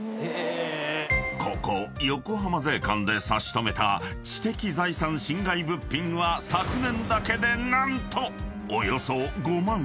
［ここ横浜税関で差し止めた知的財産侵害物品は昨年だけで何と］